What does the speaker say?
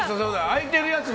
開いてるやつ